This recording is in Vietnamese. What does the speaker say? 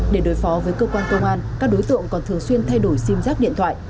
để đối phó với cơ quan công an các đối tượng còn thường xuyên thay đổi sim giác điện thoại